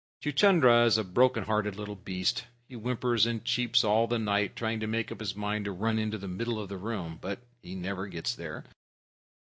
Chuchundra is a broken hearted little beast. He whimpers and cheeps all the night, trying to make up his mind to run into the middle of the room. But he never gets there.